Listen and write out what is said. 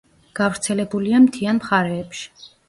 გავრცელებულია მთიან მხარეებში.